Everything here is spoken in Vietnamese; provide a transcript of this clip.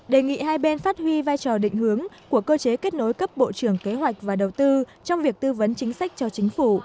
đề nghị hai bên phát huy vai trò định hướng của cơ chế kết nối cấp bộ trưởng kế hoạch và đầu tư trong việc tư vấn chính sách cho chính phủ